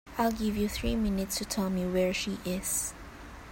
I'll give you three minutes to tell me where she is.